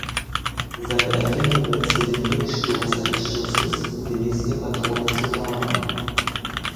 Seine Erfindung nutzte den Rückstoß eines Schusses, um die nächste Patrone zu laden.